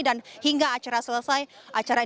dan hingga acara selesai